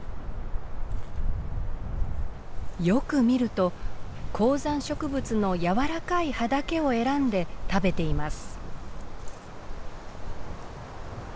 よく見ると高山植物の柔らかい葉だけを選んで食べています。